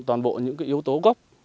toàn bộ những yếu tố gốc